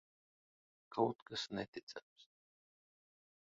Kaut kas neticams.